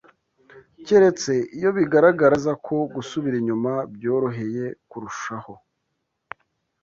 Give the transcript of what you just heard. keretse iyo bigaragara neza ko gusubira inyuma byoroheye kurushaho